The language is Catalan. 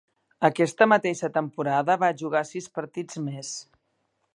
Aquesta mateixa temporada va jugar sis partits més.